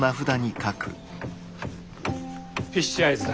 フィッシュアイズだ。